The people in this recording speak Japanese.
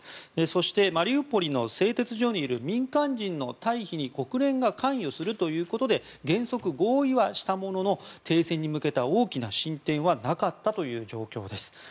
そしてマリウポリの製鉄所にいる民間人の退避に国連が関与するということで原則合意はしたものの停戦に向けた大きな進展はなかったという状況です。